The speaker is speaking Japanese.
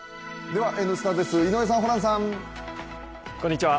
では「Ｎスタ」です井上さん、ホランさん。